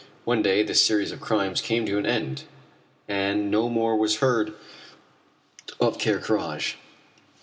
One day this series of crimes came to an end, and no more was heard of Ker Karraje.